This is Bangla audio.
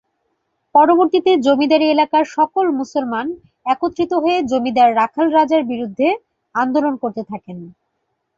পরবর্তীতে জমিদারী এলাকার সকল মুসলমান একত্রিত হয়ে জমিদার রাখাল রাজার বিরুদ্ধে আন্দোলন করতে থাকেন।